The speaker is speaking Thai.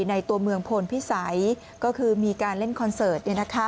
ในตัวเมืองพลพิสัยก็คือมีการเล่นคอนเสิร์ต